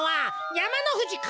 やまのふじか？